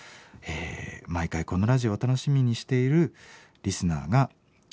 毎回このラジオを楽しみにしているリスナーが頭をよぎりました。